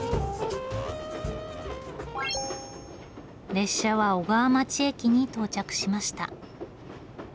列車は小川町駅に到着しました。